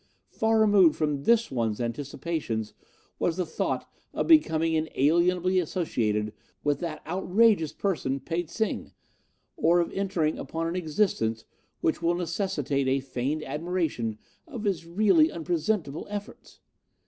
Far removed from this one's anticipations was the thought of becoming inalienably associated with that outrageous person Pe tsing, or of entering upon an existence which will necessitate a feigned admiration of his really unpresentable efforts.